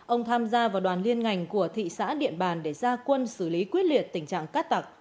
ông tham gia vào đoàn liên ngành của thị xã điện bàn để ra quân xử lý quyết liệt tình trạng cát tặc